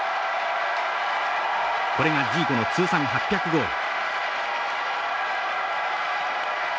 これがジーコの通算８００ゴール。